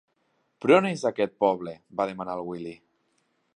Però on és aquest poble? —va demanar el Willy.